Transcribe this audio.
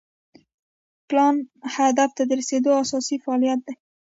پلان هدف ته د رسیدو اساسي فعالیت دی.